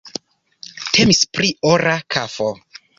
Temis pri ora kafo.